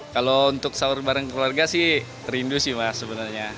kalau untuk sahur bareng keluarga sih rindu sih mas sebenarnya